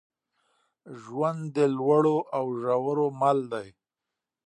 ژوند د لوړو او ژورو مل دی.